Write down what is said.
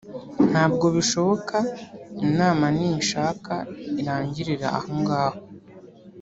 ntabwo bishoboka inama nishaka irangirire ahongaho